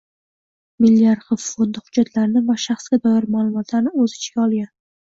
Milliy arxiv fondi hujjatlarini va shaxsga doir ma’lumotlarni o‘z ichiga olgan